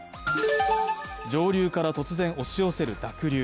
上流から突然押し寄せる濁流。